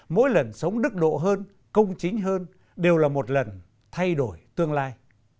mỗi lần sống đức độ hơn công chính hơn đều là một lần thay đổi tương lai